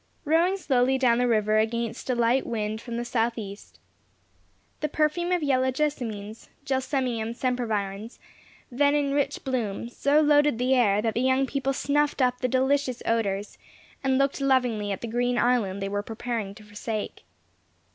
Rowing slowly down the river, against a light wind from the south east, the perfume of yellow jessamines (gelseminum sempervirens), then in rich bloom, so loaded the air, that the young people snuffed up the delicious odours, and looked lovingly at the green island they were preparing to forsake.